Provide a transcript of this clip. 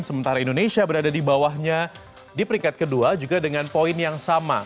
sementara indonesia berada di bawahnya di peringkat kedua juga dengan poin yang sama